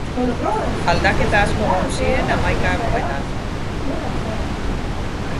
Aldaketa asko egon ziren hamaikakoetan.